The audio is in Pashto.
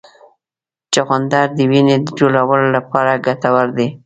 چغندر د وینې جوړولو لپاره ګټور دی.